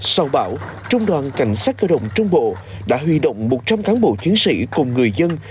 sau bão trung đoàn cảnh sát cơ động trung bộ đã huy động một trăm linh cán bộ chiến sĩ cùng người dân